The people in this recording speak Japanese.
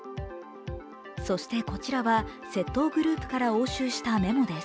そしてこちらは窃盗グループから押収したメモです。